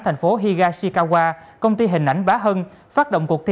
thành phố higashikawa công ty hình ảnh bá hân phát động cuộc